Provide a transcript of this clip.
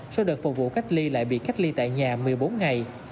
sau đợt phục vụ cách ly lại bị cách ly tại nhà một mươi bốn ngày